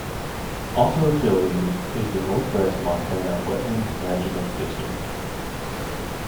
Also affiliated is the Northwest Montana Wetland Management District.